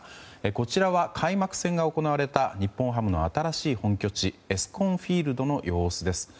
こちらは開幕戦が行われた日本ハムの新しい本拠地エスコンフィールドの様子です。